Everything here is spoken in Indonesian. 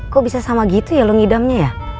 kok bisa sama gitu ya lo ngidamnya ya